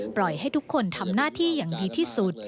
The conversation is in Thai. ปล่อยให้ทุกคนทำหน้าที่อย่างดีที่สุด